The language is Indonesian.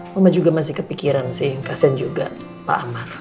mama juga masih kepikiran sih kasian juga pak amar